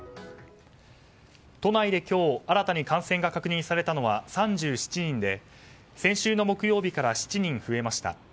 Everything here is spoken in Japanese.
都内で今日新たに感染が確認されたのは３７人で、先週の木曜日から７人増えました。